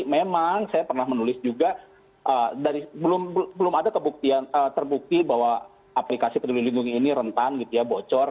memang saya pernah menulis juga belum ada terbukti bahwa aplikasi peduli lindungi ini rentan gitu ya bocor